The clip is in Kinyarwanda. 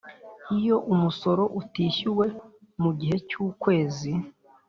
Iyo umusoro utishyuwe mu gihe cy ukwezi